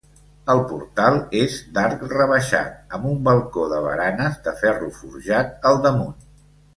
El portal és d'arc rebaixat, amb un balcó de baranes de ferro forjat al damunt.